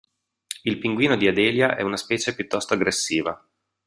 Il pinguino di Adelia è una specie piuttosto aggressiva.